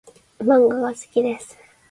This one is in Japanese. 漫画が好きです